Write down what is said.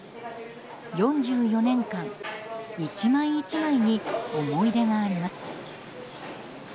４４年間、１枚１枚に思い出があります。